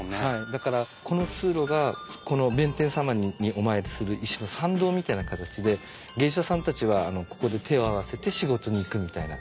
だからこの通路がこの弁天様にお参りする一種の参道みたいな形で芸者さんたちはここで手を合わせて仕事に行くみたいな。